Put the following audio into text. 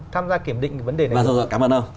tham gia kiểm định vấn đề này vâng rồi cảm ơn ông